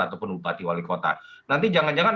ataupun bupati wali kota nanti jangan jangan